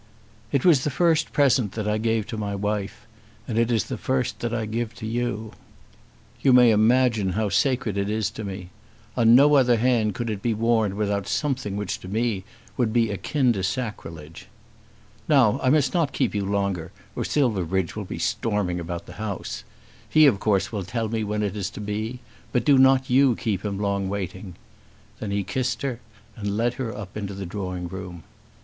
"It was the first present that I gave to my wife, and it is the first that I give to you. You may imagine how sacred it is to me. On no other hand could it be worn without something which to me would be akin to sacrilege. Now I must not keep you longer or Silverbridge will be storming about the house. He of course will tell me when it is to be; but do not you keep him long waiting." Then he kissed her and led her up into the drawing room.